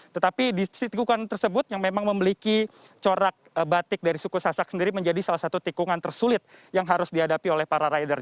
tetapi di tikungan tersebut yang memang memiliki corak batik dari suku sasak sendiri menjadi salah satu tikungan tersulit yang harus dihadapi oleh para rider